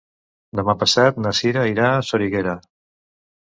Demà passat na Cira irà a Soriguera.